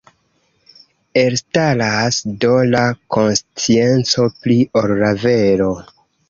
Elstaras, do, la konscienco pli ol la vero.